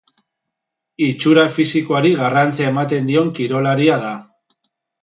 Itxura fisikoari garrantzia ematen dion kirolaria da.